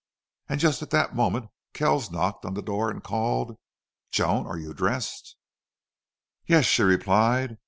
And just at that moment Kells knocked on the door and called, "Joan, are you dressed?" "Yes," she replied.